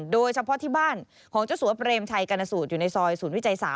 โดยเฉพาะที่บ้านของเจ้าสัวเปรมชัยกรณสูตรอยู่ในซอยศูนย์วิจัย๓